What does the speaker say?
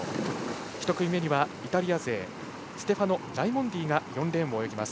１組目にはイタリア勢のステファノ・ライモンディが４レーンを泳ぎます。